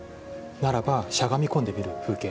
ならば、しゃがみ込んで見る風景